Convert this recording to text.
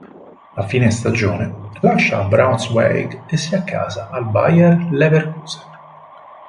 A fine stagione lascia Braunschweig e si accasa al Bayer Leverkusen.